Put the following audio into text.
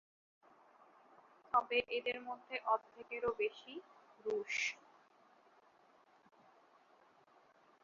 তবে এদের মধ্যে অর্ধেকেরও বেশি রুশ।